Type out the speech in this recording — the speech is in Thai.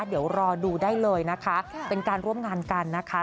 เดี๋ยวรอดูได้เลยนะคะเป็นการร่วมงานกันนะคะ